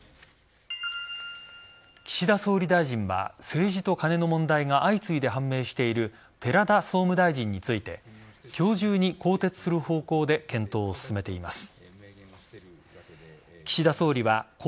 岸田総理大臣は政治とカネの問題が相次いで判明している寺田総務大臣について今日中に更迭する方向で検討を進めています。